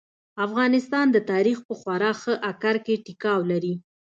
افغانستان د تاريخ په خورا ښه اکر کې ټيکاو لري.